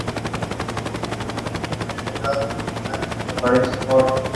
Fue derribado tras la Exposición.